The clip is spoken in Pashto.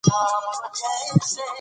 له مراجعینو سره ښه چلند وکړئ.